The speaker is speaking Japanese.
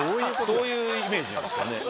そういうイメージなんですかね。